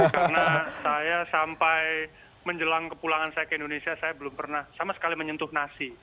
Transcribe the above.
karena saya sampai menjelang kepulangan saya ke indonesia saya belum pernah sama sekali menyentuh nasi